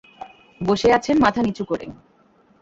বসে আছেন মাথা নিচু করে।